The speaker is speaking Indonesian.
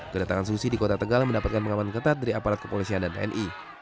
kedatangan susi di kota tegal mendapatkan pengaman ketat dari aparat kepolisian dan tni